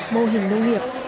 mô hình nông nghiệp